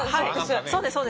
そうですそうです。